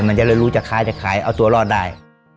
มันจะได้รู้จะคล้ายจะขายเอาตัวรอดได้